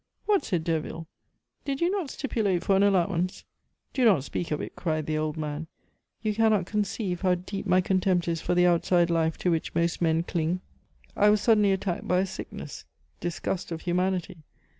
"What!" said Derville. "Did you not stipulate for an allowance?" "Do not speak of it!" cried the old man. "You cannot conceive how deep my contempt is for the outside life to which most men cling. I was suddenly attacked by a sickness disgust of humanity.